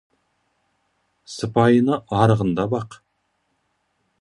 Сыпайыны арығында бақ.